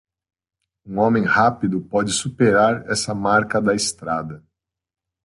Um homem rápido pode superar essa marca da estrada.